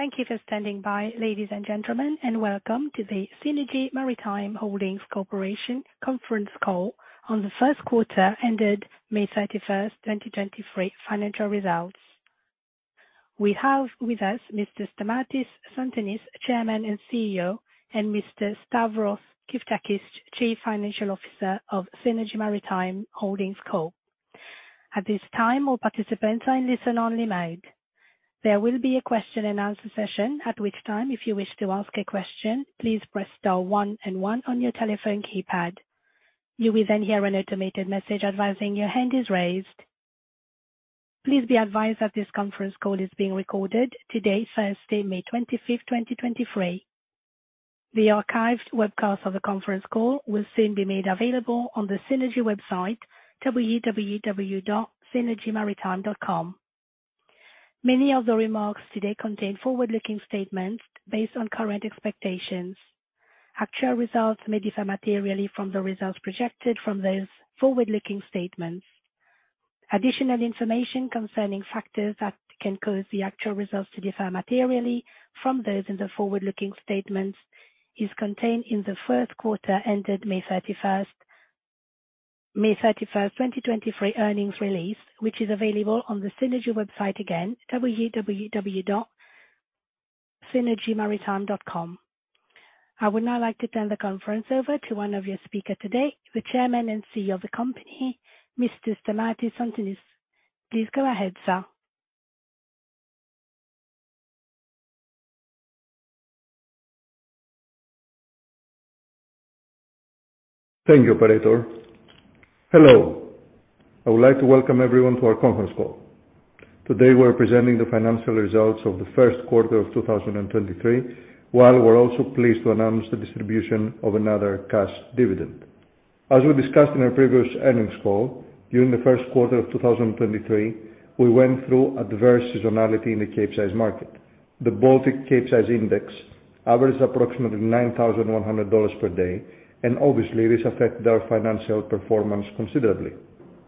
Thank you for standing by, ladies and gentlemen, and welcome to the Seanergy Maritime Holdings Corp. Conference Call on the Q1 ended May 31, 2023 financial results. We have with us Mr. Stamatis Tsantanis, Chairman and CEO, and Mr. Stavros Gyftakis, Chief Financial Officer of Seanergy Maritime Holdings Corp. At this time, all participants are in listen-only mode. There will be a question-and-answer session, at which time, if you wish to ask a question, please press star 1 and 1 on your telephone keypad. You will hear an automated message advising your hand is raised. Please be advised that this conference call is being recorded today, Thursday, May 25, 2023. The archived webcast of the conference call will soon be made available on the Seanergy website, www.seanergymaritime.com. Many of the remarks today contain forward-looking statements based on current expectations. Actual results may differ materially from the results projected from those forward-looking statements. Additional information concerning factors that can cause the actual results to differ materially from those in the forward-looking statements is contained in the Q1 ended May 31st, 2023 earnings release, which is available on the Seanergy website again, www.seanergymaritime.com. I would now like to turn the conference over to one of your speakers today, the Chairman and CEO of the company, Mr. Stamatis Tsantanis. Please go ahead, sir. Thank you, operator. Hello, I would like to welcome everyone to our conference call. Today, we're presenting the financial results of the Q1 of 2023, while we're also pleased to announce the distribution of another cash dividend. As we discussed in our previous earnings call, during the Q1 of 2023, we went through adverse seasonality in the Capesize market. The Baltic Capesize Index averaged approximately $9,100 per day, and obviously this affected our financial performance considerably.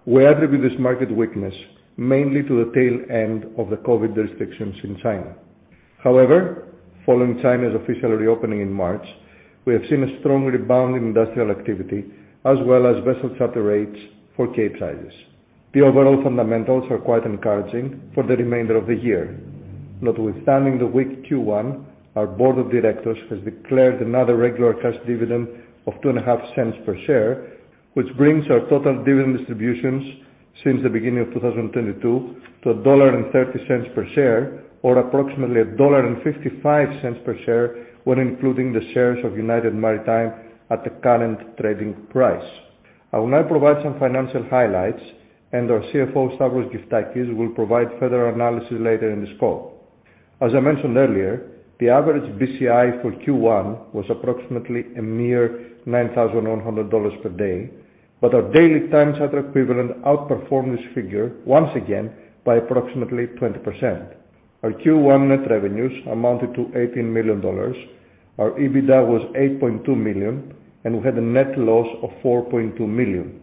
We attribute this market weakness mainly to the tail end of the Covid restrictions in China. However, following China's official reopening in March, we have seen a strong rebound in industrial activity, as well as vessel charter rates for Capesizes. The overall fundamentals are quite encouraging for the remainder of the year. Notwithstanding the weak Q1, our board of directors has declared another regular cash dividend of two and a half cents per share, which brings our total dividend distributions since the beginning of 2022 to $1.30 per share, or approximately $1.55 per share when including the shares of United Maritime at the current trading price. I will now provide some financial highlights, and our CFO, Stavros Gyftakis, will provide further analysis later in this call. As I mentioned earlier, the average BCI for Q1 was approximately a mere $9,100 per day, but our daily Time Charter Equivalent outperformed this figure once again by approximately 20%. Our Q1 net revenues amounted to $18 million. Our EBITDA was $8.2 million, and we had a net loss of $4.2 million.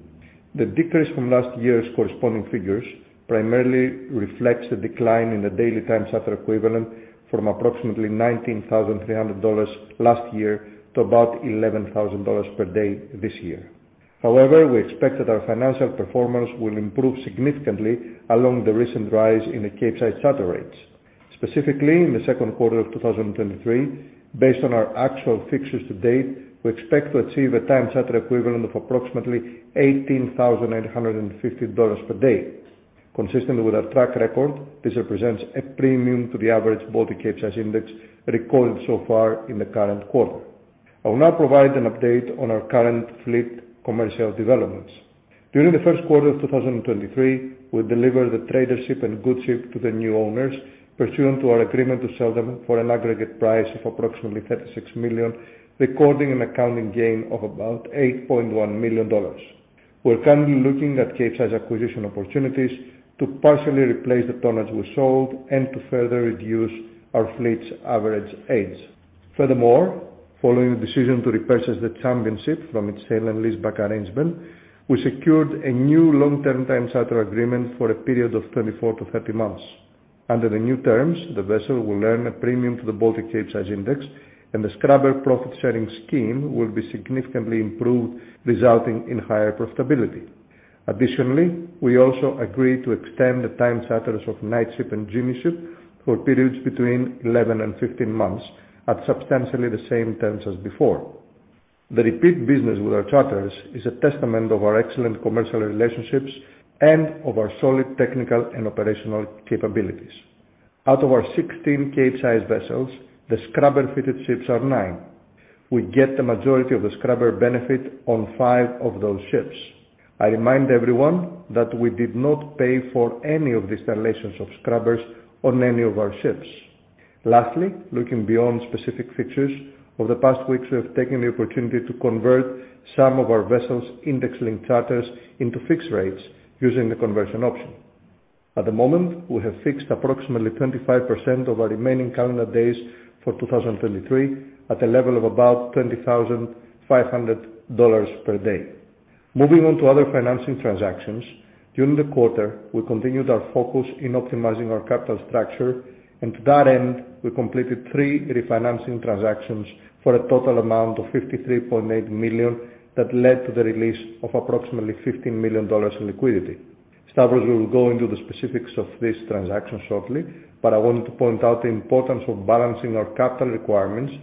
The decrease from last year's corresponding figures primarily reflects the decline in the daily Time Charter Equivalent from approximately $19,300 last year to about $11,000 per day this year. We expect that our financial performance will improve significantly along the recent rise in the Capesize charter rates. Specifically, in the Q2 of 2023, based on our actual fixes to date, we expect to achieve a Time Charter Equivalent of approximately $18,850 per day. Consistently with our track record, this represents a premium to the average Baltic Capesize Index recorded so far in the current quarter. I will now provide an update on our current fleet commercial developments. During the Q1 of 2023, we delivered the Tradership and Goodship to the new owners, pursuant to our agreement to sell them for an aggregate price of approximately $36 million, recording an accounting gain of about $8.1 million. We're currently looking at Capesize acquisition opportunities to partially replace the tonnage we sold and to further reduce our fleet's average age. Following the decision to repurchase the Championship from its sale and leaseback arrangement, we secured a new long-term time charter agreement for a period of 24-30 months. Under the new terms, the vessel will earn a premium to the Baltic Capesize Index, and the scrubber profit-sharing scheme will be significantly improved, resulting in higher profitability. Additionally, we also agreed to extend the time charters of Knightship and Geniuship for periods between 11 and 15 months at substantially the same terms as before. The repeat business with our charters is a testament of our excellent commercial relationships and of our solid technical and operational capabilities. Out of our 16 Capesize vessels, the scrubber-fitted ships are 9. We get the majority of the scrubber benefit on 5 of those ships. I remind everyone that we did not pay for any of the installations of scrubbers on any of our ships. Lastly, looking beyond specific fixes, over the past weeks, we have taken the opportunity to convert some of our vessels' index-linked charters into fixed rates using the conversion option. At the moment, we have fixed approximately 25% of our remaining calendar days for 2023 at a level of about $20,500 per day. Moving on to other financing transactions. During the quarter, we continued our focus in optimizing our capital structure, and to that end, we completed three refinancing transactions for a total amount of $53.8 million, that led to the release of approximately $15 million in liquidity. Stavros will go into the specifics of this transaction shortly, but I wanted to point out the importance of balancing our capital requirements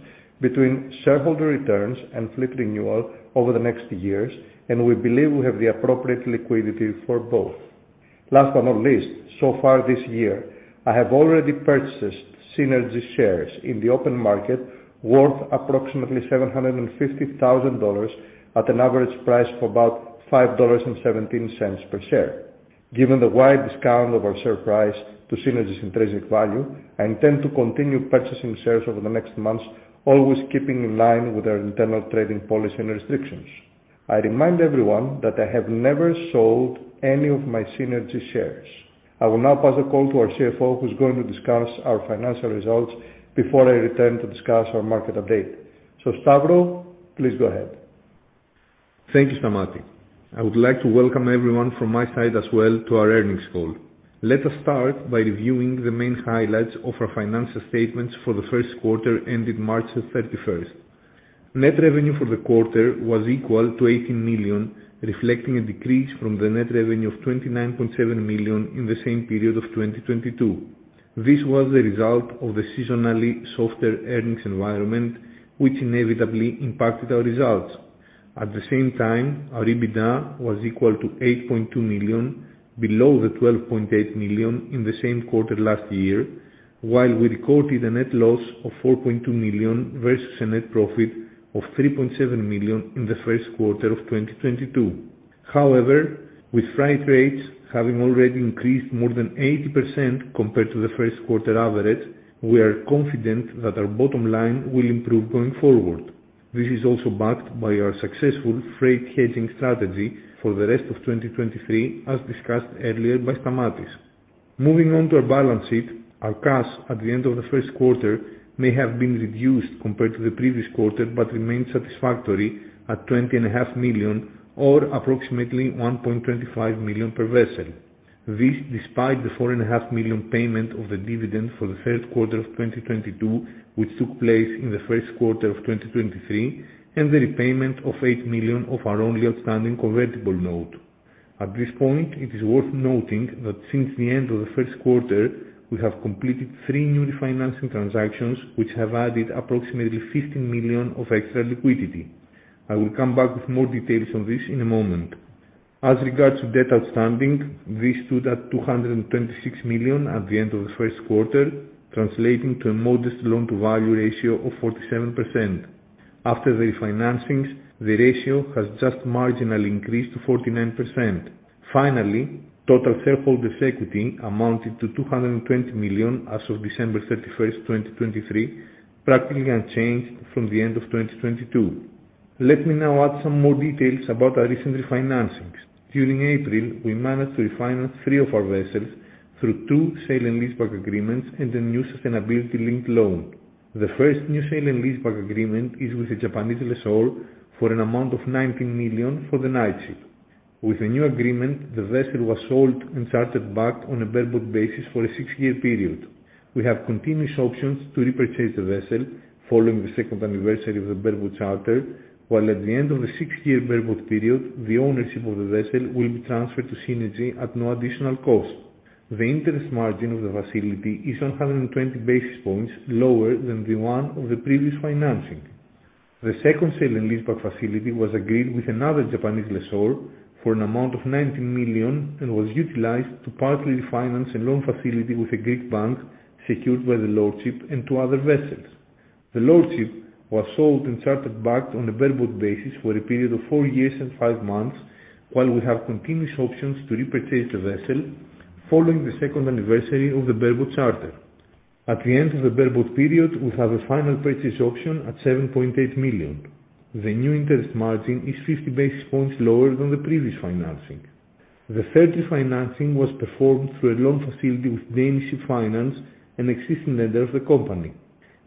between shareholder returns and fleet renewal over the next years, and we believe we have the appropriate liquidity for both. Last but not least, so far this year, I have already purchased Synergy shares in the open market, worth approximately $750,000, at an average price of about $5.17 per share. Given the wide discount of our share price to Synergy's intrinsic value, I intend to continue purchasing shares over the next months, always keeping in line with our internal trading policy and restrictions. I remind everyone that I have never sold any of my Synergy shares. I will now pass the call to our CFO, who's going to discuss our financial results before I return to discuss our market update. Stavro, please go ahead. Thank you, Stamatis. I would like to welcome everyone from my side as well to our earnings call. Let us start by reviewing the main highlights of our financial statements for the Q1 ended March 31st. Net revenue for the quarter was equal to $18 million, reflecting a decrease from the net revenue of $29.7 million in the same period of 2022. This was the result of the seasonally softer earnings environment, which inevitably impacted our results. At the same time, our EBITDA was equal to $8.2 million, below the $12.8 million in the same quarter last year, while we recorded a net loss of $4.2 million versus a net profit of $3.7 million in the Q1 of 2022. However, with freight rates having already increased more than 80% compared to the Q1 average, we are confident that our bottom line will improve going forward. This is also backed by our successful freight hedging strategy for the rest of 2023, as discussed earlier by Stamatis. Moving on to our balance sheet, our cash at the end of the Q1 may have been reduced compared to the previous quarter, but remained satisfactory at $20.5 million, or approximately $1.25 million per vessel. This despite the $4.5 million payment of the dividend for the Q3 of 2022, which took place in the Q1 of 2023, and the repayment of $8 million of our only outstanding convertible note. At this point, it is worth noting that since the end of the Q1, we have completed three new refinancing transactions, which have added approximately $15 million of extra liquidity. I will come back with more details on this in a moment. As regards to debt outstanding, this stood at $226 million at the end of the Q1, translating to a modest loan-to-value ratio of 47%. After the refinancings, the ratio has just marginally increased to 49%. Finally, total shareholders' equity amounted to $220 million as of December 31, 2023, practically unchanged from the end of 2022. Let me now add some more details about our recent refinancings. During April, we managed to refinance three of our vessels through two sale and leaseback agreements and a new sustainability-linked loan. The first new sale and leaseback agreement is with a Japanese lessor for an amount of $19 million for the Knightship. With a new agreement, the vessel was sold and chartered back on a bareboat basis for a six-year period. We have continuous options to repurchase the vessel following the 2nd anniversary of the bareboat charter, while at the end of the six-year bareboat period, the ownership of the vessel will be transferred to Seanergy at no additional cost. The interest margin of the facility is 120 basis points lower than the one of the previous financing. The second sale and leaseback facility was agreed with another Japanese lessor for an amount of $19 million, and was utilized to partly refinance a loan facility with a Greek bank, secured by the Lordship and two other vessels. The Lordship was sold and chartered back on a bareboat basis for a period of 4 years and 5 months, while we have continuous options to repurchase the vessel following the second anniversary of the bareboat charter. At the end of the bareboat period, we have a final purchase option at $7.8 million. The new interest margin is 50 basis points lower than the previous financing. The third refinancing was performed through a loan facility with Danish Ship Finance, an existing lender of the company.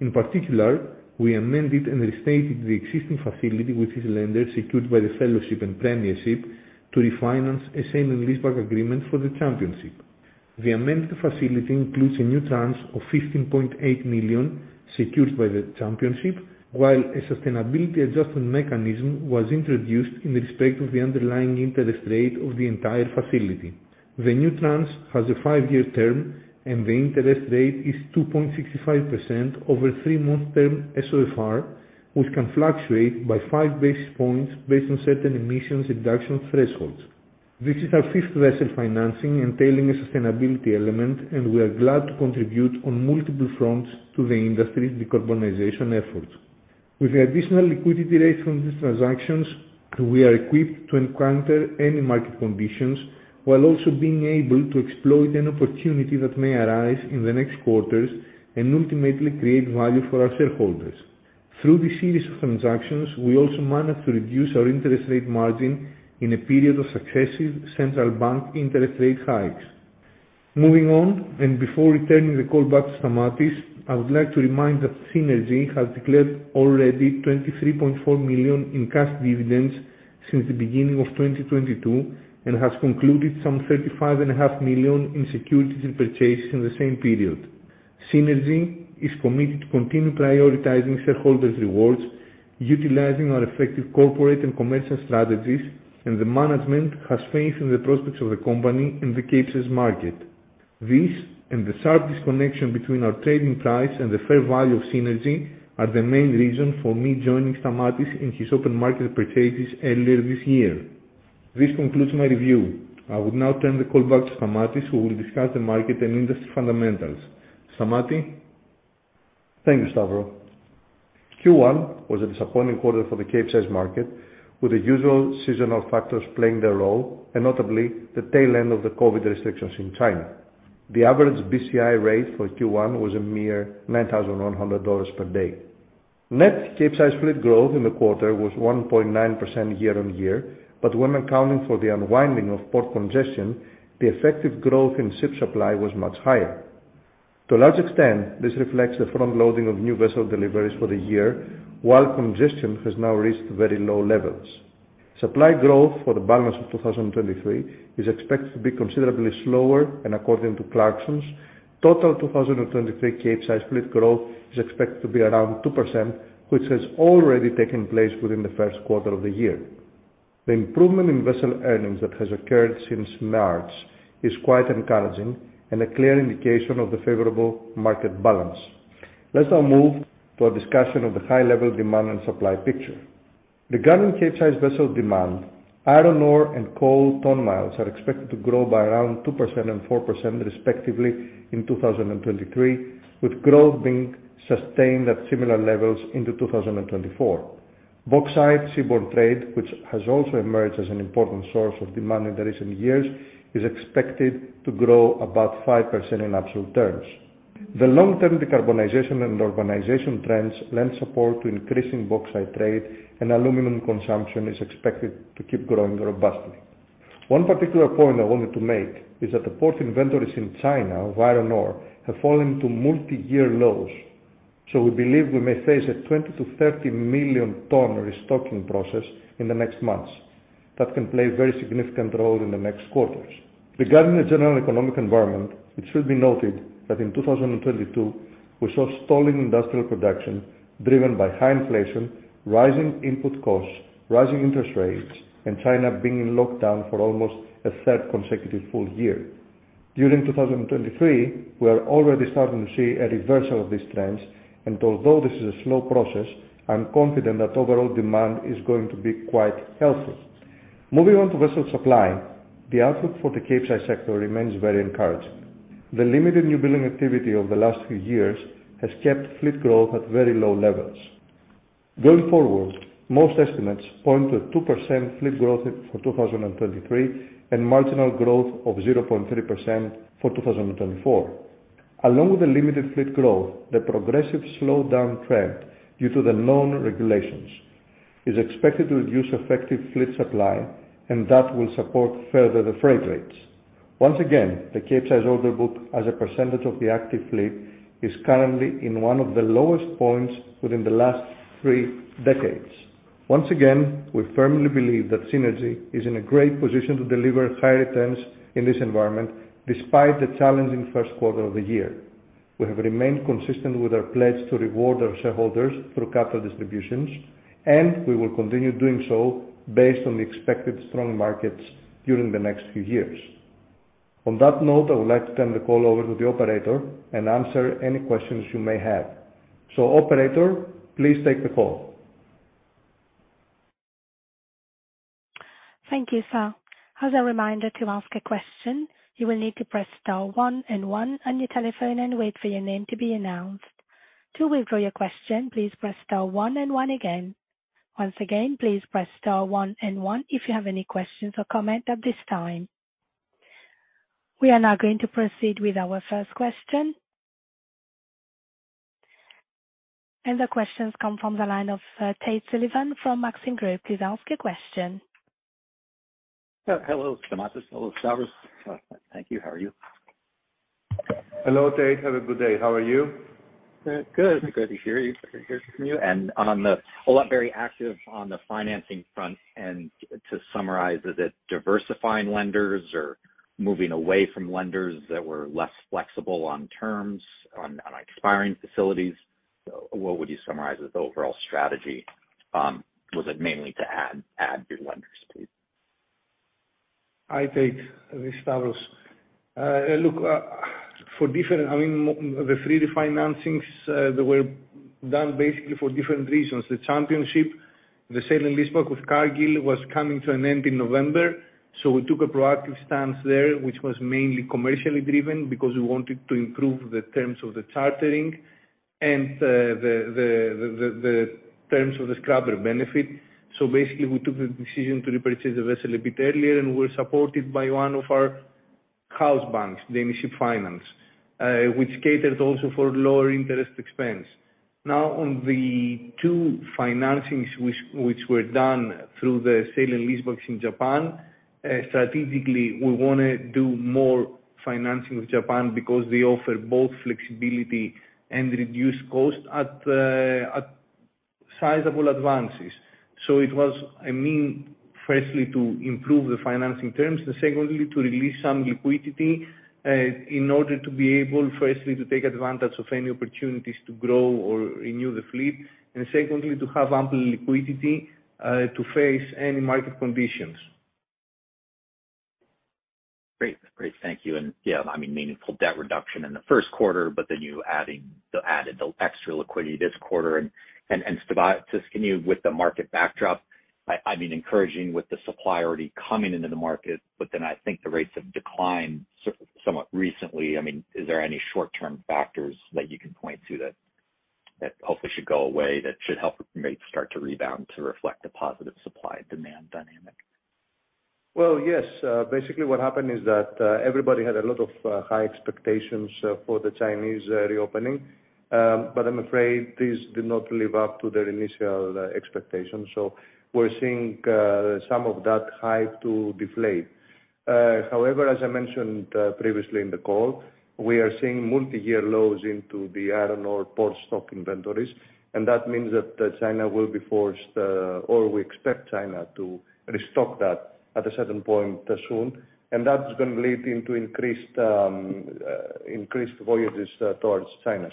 In particular, we amended and restated the existing facility with this lender, secured by the Fellowship and Premiership, to refinance a sale and leaseback agreement for the Championship. The amended facility includes a new tranche of $15.8 million, secured by the Championship, while a sustainability adjustment mechanism was introduced in respect of the underlying interest rate of the entire facility. The new tranche has a five-year term, and the interest rate is 2.65% over 3-month term SOFR, which can fluctuate by 5 basis points based on certain emissions reduction thresholds. This is our fifth vessel financing entailing a sustainability element, We are glad to contribute on multiple fronts to the industry's decarbonization efforts. With the additional liquidity raised from these transactions, we are equipped to encounter any market conditions, while also being able to exploit any opportunity that may arise in the next quarters and ultimately create value for our shareholders. Through this series of transactions, we also managed to reduce our interest rate margin in a period of successive central bank interest rate hikes. Moving on, before returning the call back to Stamatis, I would like to remind that Seanergy has declared already $23.4 million in cash dividends since the beginning of 2022, and has concluded some $35.5 million in securities and purchases in the same period. Seanergy is committed to continue prioritizing shareholders rewards, utilizing our effective corporate and commercial strategies, and the management has faith in the prospects of the company in the Capesize market. This and the sharp disconnection between our trading price and the fair value of Seanergy are the main reason for me joining Stamatis in his open market purchases earlier this year. This concludes my review. I would now turn the call back to Stamatis, who will discuss the market and industry fundamentals. Stamati? Thank you, Stavro. Q1 was a disappointing quarter for the Capesize market, with the usual seasonal factors playing their role, and notably, the tail end of the COVID restrictions in China. The average BCI rate for Q1 was a mere $9,100 per day. Net Capesize fleet growth in the quarter was 1.9% year-on-year, but when accounting for the unwinding of port congestion, the effective growth in ship supply was much higher. To a large extent, this reflects the front loading of new vessel deliveries for the year, while congestion has now reached very low levels. Supply growth for the balance of 2023 is expected to be considerably slower, and according to Clarksons, total 2023 Capesize fleet growth is expected to be around 2%, which has already taken place within the Q1 of the year. The improvement in vessel earnings that has occurred since March is quite encouraging and a clear indication of the favorable market balance. Let's now move to a discussion of the high-level demand and supply picture. Regarding Capesize vessel demand, iron ore and coal ton-miles are expected to grow by around 2% and 4%, respectively, in 2023, with growth being sustained at similar levels into 2024. Bauxite seaborne trade, which has also emerged as an important source of demand in the recent years, is expected to grow about 5% in absolute terms. The long-term decarbonization and organization trends lend support to increasing Bauxite trade, and aluminum consumption is expected to keep growing robustly. One particular point I wanted to make is that the port inventories in China of iron ore have fallen to multi-year lows, so we believe we may face a 20 to 30 million ton restocking process in the next months. That can play a very significant role in the next quarters. Regarding the general economic environment, it should be noted that in 2022, we saw stalling industrial production driven by high inflation, rising input costs, rising interest rates, and China being in lockdown for almost a third consecutive full year. During 2023, we are already starting to see a reversal of these trends, and although this is a slow process, I'm confident that overall demand is going to be quite healthy. Moving on to vessel supply, the outlook for the Capesize sector remains very encouraging. The limited new building activity over the last few years has kept fleet growth at very low levels. Going forward, most estimates point to a 2% fleet growth for 2023, and marginal growth of 0.3% for 2024. Along with the limited fleet growth, the progressive slowdown trend, due to the known regulations, is expected to reduce effective fleet supply, and that will support further the freight rates. Once again, the Capesize order book as a percentage of the active fleet, is currently in one of the lowest points within the last three decades. Once again, we firmly believe that Seanergy is in a great position to deliver high returns in this environment, despite the challenging Q1 of the year. We have remained consistent with our pledge to reward our shareholders through capital distributions. We will continue doing so based on the expected strong markets during the next few years. On that note, I would like to turn the call over to the operator and answer any questions you may have. Operator, please take the call. Thank you, sir. As a reminder, to ask a question, you will need to press star one and one on your telephone and wait for your name to be announced. To withdraw your question, please press star one and one again. Once again, please press star one and one if you have any questions or comments at this time. We are now going to proceed with our first question. The questions come from the line of Tate Sullivan from Maxim Group. Please ask your question. Hello, Stamatis. Hello, Stavros. Thank you. How are you? Hello, Tate. Have a good day. How are you? Good to hear you, good to hear from you. On the whole lot, very active on the financing front, to summarize, is it diversifying lenders or moving away from lenders that were less flexible on terms, on expiring facilities? What would you summarize as the overall strategy, was it mainly to add new lenders, please? Hi, Tate. This is Stavros. I mean, the 3 refinancings, they were done basically for different reasons. The Championship, the sale in Lisbon with Cargill, was coming to an end in November, so we took a proactive stance there, which was mainly commercially driven, because we wanted to improve the terms of the chartering and the terms of the scrubber benefit. Basically, we took the decision to repurchase the vessel a bit earlier, and we were supported by one of our house banks, the Ship Finance, which catered also for lower interest expense. On the 2 financings which were done through the sale and leasebacks in Japan, strategically, we wanna do more financing with Japan because they offer both flexibility and reduced cost at sizable advances. It was a mean, firstly to improve the financing terms, secondly, to release some liquidity, in order to be able, firstly, to take advantage of any opportunities to grow or renew the fleet. Secondly, to have ample liquidity, to face any market conditions. Great, great, thank you. Yeah, I mean, meaningful debt reduction in the Q1, but then you added the extra liquidity this quarter. Stavros, can you with the market backdrop, I mean, encouraging with the supply already coming into the market, but then I think the rates have declined somewhat recently. I mean, is there any short-term factors that you can point to that hopefully should go away, that should help the rates start to rebound, to reflect a positive supply-demand dynamic? Well, yes. Basically, what happened is that everybody had a lot of high expectations for the Chinese reopening. I'm afraid this did not live up to their initial expectations. We're seeing some of that hype to deflate. However, as I mentioned previously in the call, we are seeing multi-year lows into the iron ore port stock inventories, and that means that China will be forced, or we expect China to restock that at a certain point soon. That's gonna lead into increased voyages towards China.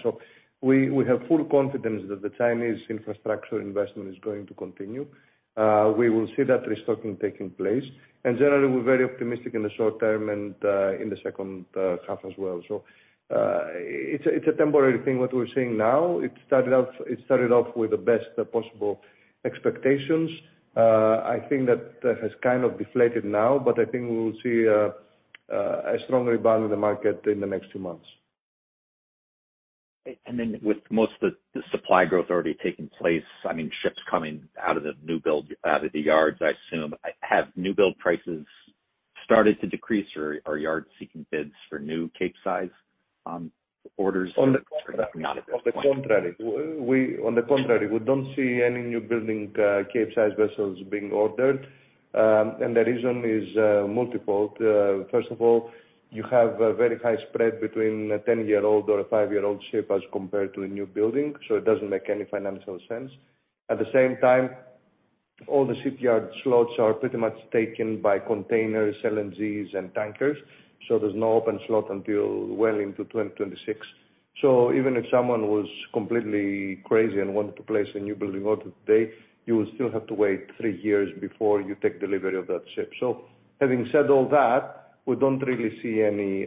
We have full confidence that the Chinese infrastructure investment is going to continue. We will see that restocking taking place, and generally, we're very optimistic in the short term and in the second half as well. It's a temporary thing, what we're seeing now. It started off with the best possible expectations. I think that that has kind of deflated now, but I think we will see a strong rebound in the market in the next two months. With most of the supply growth already taking place, I mean, ships coming out of the new build, out of the yards, I assume. Have new build prices started to decrease or are yards seeking bids for new Capesize orders? On the contrary, we don't see any new building Capesize vessels being ordered. The reason is multiple. First of all, you have a very high spread between a 10-year-old or a five-year-old ship as compared to a new building, so it doesn't make any financial sense. At the same time, all the shipyard slots are pretty much taken by containers, LNGs and tankers, so there's no open slot until well into 2026. Even if someone was completely crazy and wanted to place a new building order today, you would still have to wait three years before you take delivery of that ship. Having said all that, we don't really see any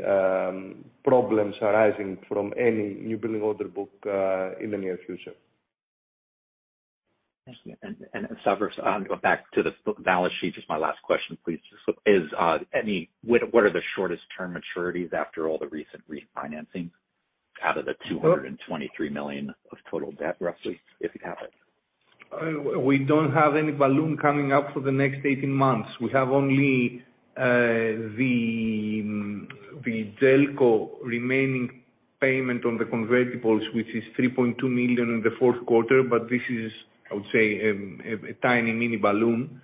problems arising from any new building order book in the near future. Stavros, going back to the balance sheet, just my last question, please. What are the shortest term maturities after all the recent refinancings out of the $223 million of total debt, roughly, if you have it? We don't have any balloon coming up for the next 18 months. We have only the Jelco remaining payment on the convertibles, which is $3.2 million in the Q4. This is, I would say a tiny mini balloon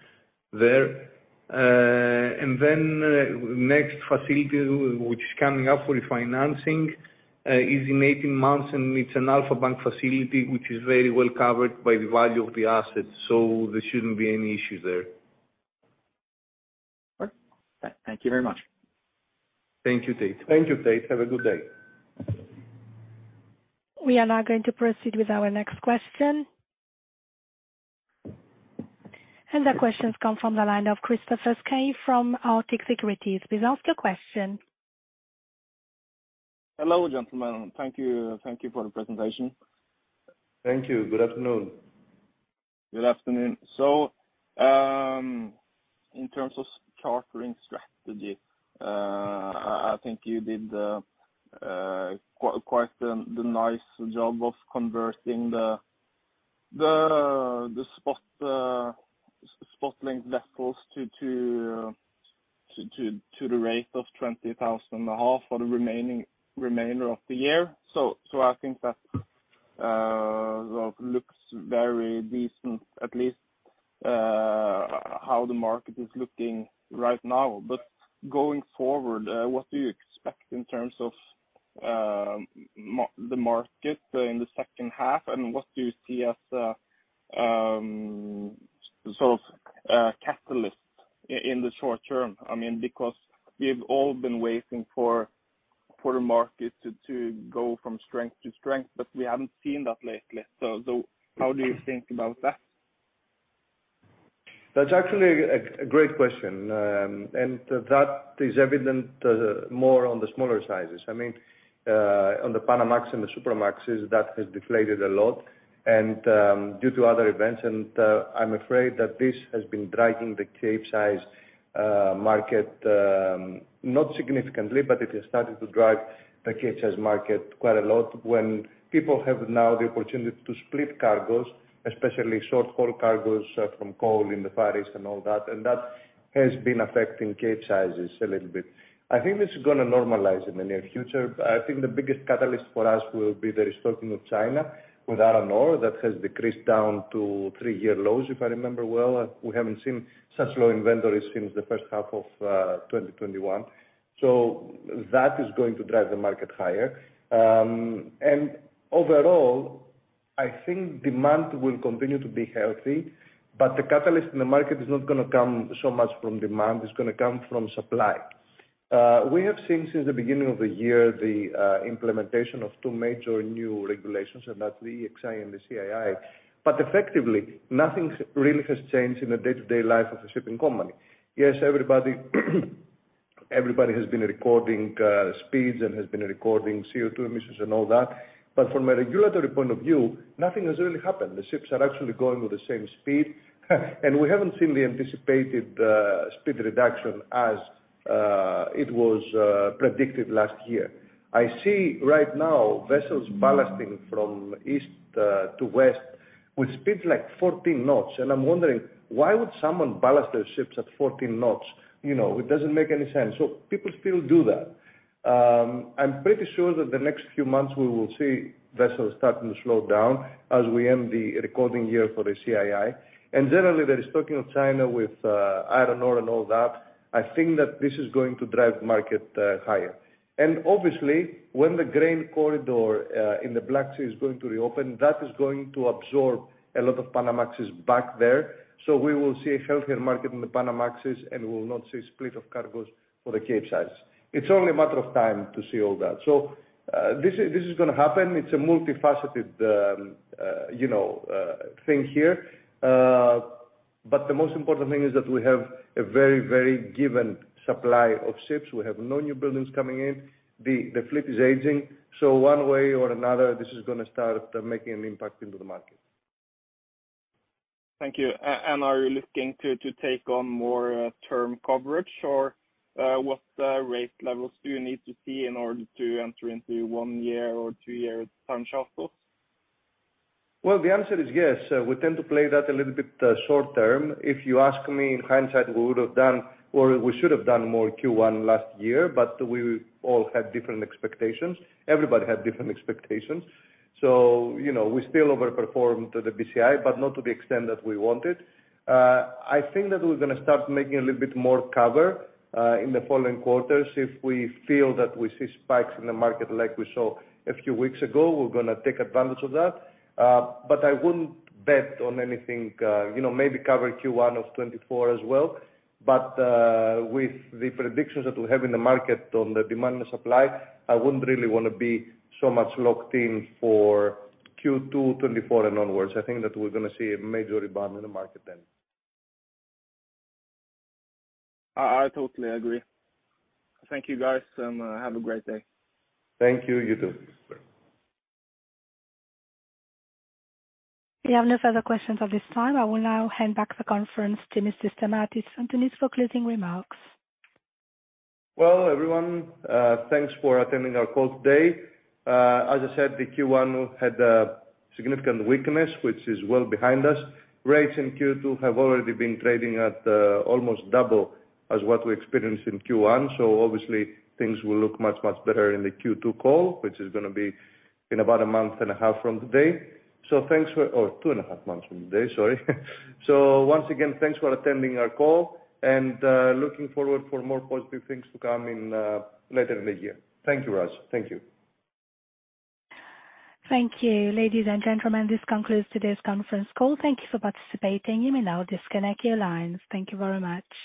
there. Then next facility which is coming up for refinancing is in 18 months, and it's an Alpha Bank facility, which is very well covered by the value of the assets, so there shouldn't be any issues there. Thank you very much. Thank you, Tate. Thank you, Tate. Have a good day. We are now going to proceed with our next question. The question comes from the line of Christopher Kane from Arctic Securities. Please ask your question. Hello, gentlemen. Thank you for the presentation. Thank you. Good afternoon. Good afternoon. In terms of chartering strategy, I think you did quite the nice job of converting the spot link vessels to the rate of $20,500 for the remainder of the year. I think that looks very decent, at least how the market is looking right now. Going forward, what do you expect in terms of the market in the second half, and what do you see as sort of catalyst in the short term? I mean, because we've all been waiting for the market to go from strength to strength, but we haven't seen that lately. How do you think about that? That's actually a great question. That is evident more on the smaller sizes. I mean, on the Panamax and the Supramaxes, that has deflated a lot due to other events, I'm afraid that this has been driving the Capesize market not significantly, but it has started to drive the Capesize market quite a lot, when people have now the opportunity to split cargos, especially short-haul cargos from coal in the Far East and all that has been affecting Capesizes a little bit. I think this is gonna normalize in the near future. I think the biggest catalyst for us will be the restocking of China with iron ore, that has decreased down to three-year lows, if I remember well. We haven't seen such low inventories since the first half of 2021. That is going to drive the market higher. Overall, I think demand will continue to be healthy, but the catalyst in the market is not gonna come so much from demand, it's gonna come from supply. We have seen since the beginning of the year, the implementation of two major new regulations, and that's the EEXI and the CII. Effectively, nothing really has changed in the day-to-day life of a shipping company. Yes, everybody has been recording speeds and has been recording CO2 emissions and all that, but from a regulatory point of view, nothing has really happened. The ships are actually going with the same speed, and we haven't seen the anticipated speed reduction as it was predicted last year. I see right now, vessels ballasting from east to west with speeds like 14 knots, and I'm wondering, why would someone ballast their ships at 14 knots? You know, it doesn't make any sense. People still do that. I'm pretty sure that the next few months we will see vessels starting to slow down as we end the recording year for the CII. Generally, there is talking of China with iron ore and all that. I think that this is going to drive the market higher. Obviously, when the grain corridor in the Black Sea is going to reopen, that is going to absorb a lot of Panamaxes back there. We will see a healthier market in the Panamaxes, and we will not see split of cargoes for the Capesize. It's only a matter of time to see all that. this is gonna happen. It's a multifaceted, you know, thing here. The most important thing is that we have a very given supply of ships. We have no new buildings coming in. The fleet is aging, one way or another, this is gonna start making an impact into the market. Thank you. Are you looking to take on more term coverage? Or what rate levels do you need to see in order to enter into one-year or two-year time charter? Well, the answer is yes. We tend to play that a little bit short term. If you ask me, in hindsight, we would have done, or we should have done more Q1 last year, but we all had different expectations. Everybody had different expectations. You know, we still overperformed the BCI, but not to the extent that we wanted. I think that we're gonna start making a little bit more cover in the following quarters. If we feel that we see spikes in the market like we saw a few weeks ago, we're gonna take advantage of that. I wouldn't bet on anything, you know, maybe cover Q1 of 2024 as well. With the predictions that we have in the market on the demand and supply, I wouldn't really wanna be so much locked in for Q2 2024 and onwards. I think that we're gonna see a major rebound in the market then. I totally agree. Thank you, guys, and have a great day. Thank you. You, too. We have no further questions at this time. I will now hand back the conference to Mr. Stamatis for tonight's closing remarks. Well, everyone, thanks for attending our call today. As I said, the Q1 had a significant weakness, which is well behind us. Rates in Q2 have already been trading at almost double as what we experienced in Q1, so obviously things will look much, much better in the Q2 call, which is gonna be in about a month and a half from today. Thanks for... Oh, two and a half months from today, sorry. Once again, thanks for attending our call, and looking forward for more positive things to come in later in the year. Thank you, Raj. Thank you. Thank you. Ladies and gentlemen, this concludes today's conference call. Thank you for participating. You may now disconnect your lines. Thank you very much.